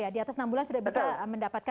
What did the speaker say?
di atas enam bulan sudah bisa mendapatkan